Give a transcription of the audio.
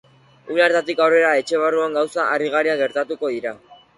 Une hartatik aurrera etxe barruan gauza harrigarriak gertatuko dira.